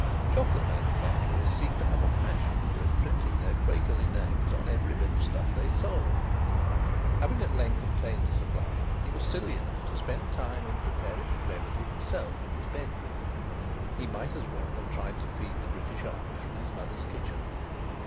Chocolate manufacturers seemed to have a passion for imprinting their Quakerly names on every bit of stuff they sold. Having at length obtained a supply, he was silly enough to spend time in preparing the remedy himself in his bedroom! He might as well have tried to feed the British Army from his mother's kitchen.